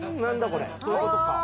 これそういうことかあ